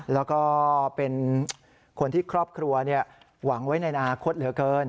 แล้วก็เป็นคนที่ครอบครัวหวังไว้ในอนาคตเหลือเกิน